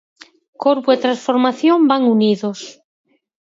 Corpo e transformación van unidos.